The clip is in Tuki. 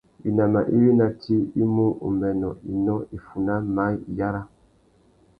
Winama iwí ná tsi i mú: umbênô, inó, iffuná, maye, iyara.